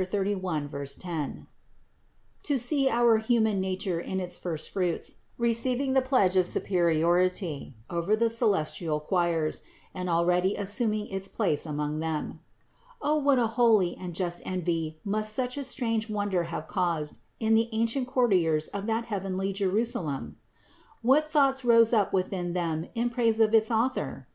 31, 10) ; to see our human nature in its first fruits receiving the pledge of superiority over the celestial choirs and already assuming its place among them. O what a holy and just envy must such a strange wonder have caused in the ancient courtiers of that heavenly Jerusalem ! What thoughts rose up within them in praise of its Author!